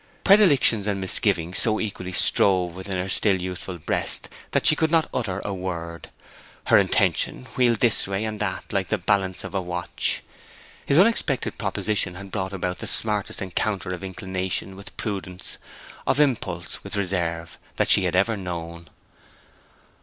Predilections and misgivings so equally strove within her still youthful breast that she could not utter a word; her intention wheeled this way and that like the balance of a watch. His unexpected proposition had brought about the smartest encounter of inclination with prudence, of impulse with reserve, that she had ever known.